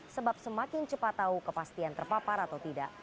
sebab semakin cepat tahu kepastian terpapar atau tidak